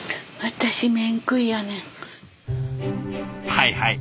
はいはい。